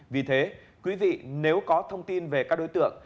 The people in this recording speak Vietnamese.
vì thế quý vị nếu có thông tin về các đối tượng